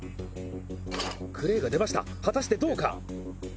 クレーが出ました、果たしてどうか？